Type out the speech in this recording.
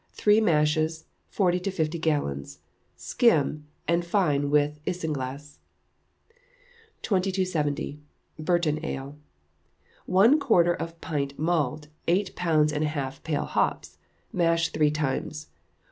Three mashes, forty to fifty gallons. Skim, and fine with isinglass. 2270. Burton Ale. One quarter of pale malt, eight pounds and a half pale hops; mash three times.